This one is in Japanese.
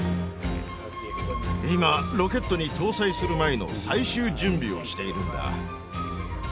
今ロケットに搭載する前の最終準備をしているんだ。